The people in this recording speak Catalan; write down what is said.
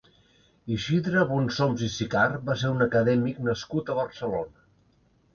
Isidre Bonsoms i Sicart va ser un acadèmic nascut a Barcelona.